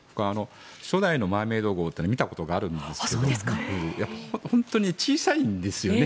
初代の「マーメイド号」って僕、見たことあるんですけど本当に小さいんですよね。